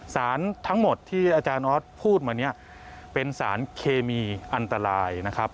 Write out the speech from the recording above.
สารทั้งหมดที่อาจารย์ออสพูดมาเนี่ยเป็นสารเคมีอันตรายนะครับ